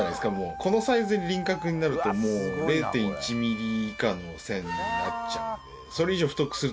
このサイズで輪郭になるともう０．１ｍｍ以下の線になっちゃうので。